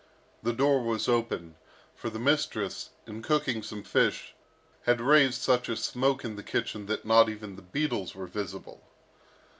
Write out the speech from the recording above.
The door was open, for the mistress, in cooking some fish, had raised such a smoke in the kitchen that not even the beetles were visible.